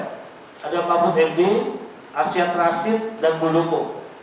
ada prabowo bp asia terasik dan bulobo